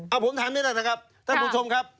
เอาผมถามนิดหน่อยนะครับท่านผู้ชมครับ